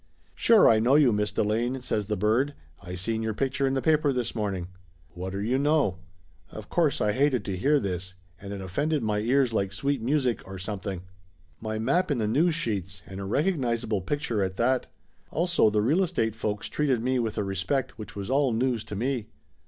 "Sure, I know you, Miss Delane," says the bird. "I seen your picture in the paper this morning!" Whatter you know ! Of course I hated to hear this, and it offended my ears like sweet music or something ! 198 Laughter Limited My map in the news sheets, and a recognizable pic ture, at that! Also the real estate folks treated me with a respect which was all news to me.